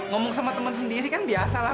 ngomong sama temen sendiri kan biasa lah